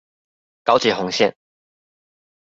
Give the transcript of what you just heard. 高捷紅線